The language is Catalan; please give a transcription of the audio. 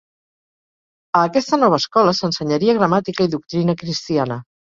A aquesta nova escola, s'ensenyaria gramàtica i doctrina cristiana.